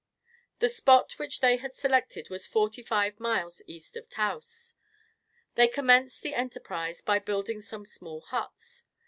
The spot which they selected was forty five miles east of Taos. They commenced the enterprise by building some small huts.